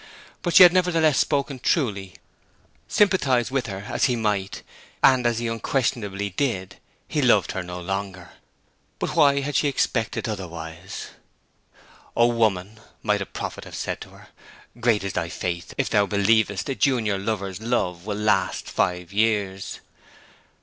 But she had nevertheless spoken truly. Sympathize with her as he might, and as he unquestionably did, he loved her no longer. But why had she expected otherwise? 'O woman,' might a prophet have said to her, 'great is thy faith if thou believest a junior lover's love will last five years!'